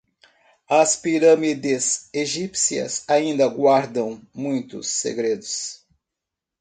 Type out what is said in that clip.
As pirâmides egípcias ainda guardam muitos segredos